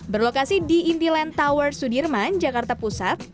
berlokasi di indiland tower sudirman jakarta pusat